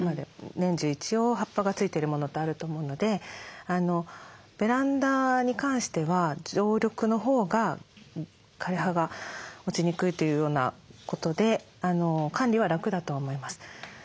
年中一応葉っぱがついてるものとあると思うのでベランダに関しては常緑のほうが枯れ葉が落ちにくいというようなことで管理は楽だとは思います。